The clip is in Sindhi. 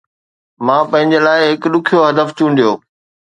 مان پنهنجي لاءِ هڪ ڏکيو هدف چونڊيو